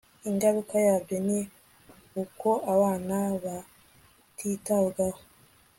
Ingaruka yabyo ni uko abana batitabwaho